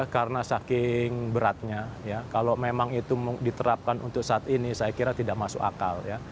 karena saking beratnya ya kalau memang itu diterapkan untuk saat ini saya kira tidak masuk akal ya